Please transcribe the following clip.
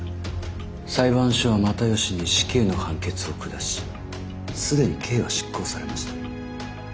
裁判所は又吉に死刑の判決を下し既に刑は執行されました。